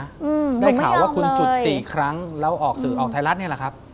อืมได้ข่าวว่าคุณจุดสี่ครั้งแล้วออกสื่อออกไทยรัฐนี่แหละครับ